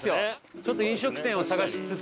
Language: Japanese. ちょっと飲食店を探しつつ。